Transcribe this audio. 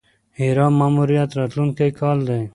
هیرا ماموریت راتلونکی کال دی.